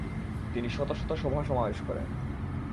তিনি শত শত সভা-সমাবেশ করেন।